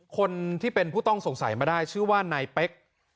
คนที่เป็นผู้ต้องสงสัยมาได้ชื่อว่านายเป๊ก